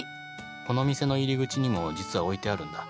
この店の入り口にも実は置いてあるんだ。